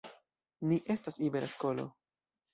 Ni estas Ibera Skolo.